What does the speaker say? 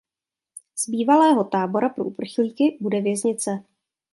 Z bývalého tábora pro uprchlíky bude věznice.